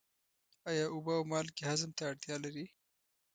آیا اوبه او مالګې هضم ته اړتیا لري؟